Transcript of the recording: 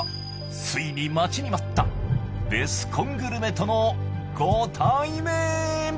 ついに待ちに待ったベスコングルメとのご対面！